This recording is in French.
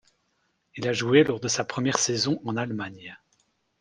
Il a joué lors de sa première saison en Allemagne.